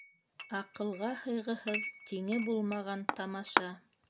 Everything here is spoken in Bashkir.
Аҡылға һыйғыһыҙ, тиңе булмаған тамаша!